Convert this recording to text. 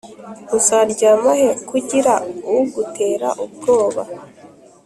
uzaryama he kugira ugutera ubwoba,